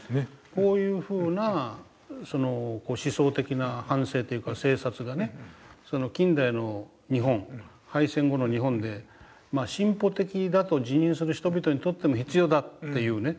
こういうふうな思想的な反省というか精察がね近代の日本敗戦後の日本で進歩的だと自認する人々にとっても必要だっていうね